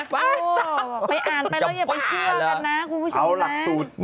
ไปอ่านไปแล้วอย่าไปเชื่อกันนะคุณผู้ชมนะ